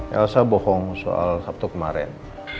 elsa bohong soal sabtu kemarin